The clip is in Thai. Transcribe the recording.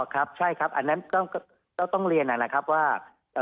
ครับใช่ครับอันนั้นก็ต้องเรียนนะครับว่า